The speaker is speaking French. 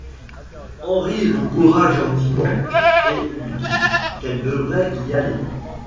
Henry l'encourage gentiment et lui dit qu'elle devrait y aller.